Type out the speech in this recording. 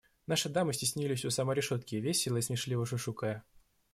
Наши дамы стеснились у самой решетки, весело и смешливо шушукая.